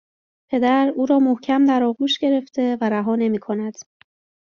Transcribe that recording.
پدر او را محکم در آغوش گرفته و رها نمیکند